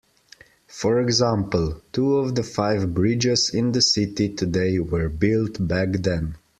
For example, two of the five bridges in the city today were built back then.